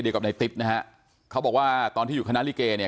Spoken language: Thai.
เดียวกับในติ๊บนะฮะเขาบอกว่าตอนที่อยู่คณะลิเกย์